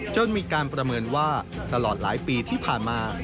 จนมีการประเมินว่าตลอดหลายปีที่ผ่านมา